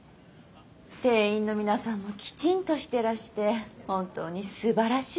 店員の皆さんもきちんとしてらして本当にすばらしいお店です。